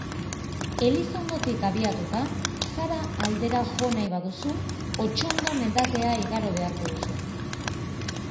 Elizondotik abiatuta Sara aldera jo nahi baduzu, Otsondo mendatea igaro beharko duzu.